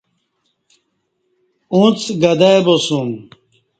اڅ گدائی باسوم